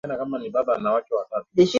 hali ya jumla ya utamaduni wa jadi